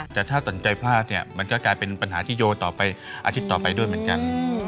แต่ถ้าสนใจพลาดเนี่ยมันก็กลายเป็นปัญหาที่โยนต่อไปอาทิตย์ต่อไปด้วยเหมือนกัน